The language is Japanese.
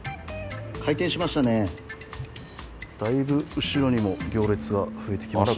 だいぶ後ろにも行列が増えてきましたね。